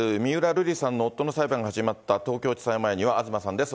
瑠麗さんの夫の裁判が始まった東京地裁前には、東さんです。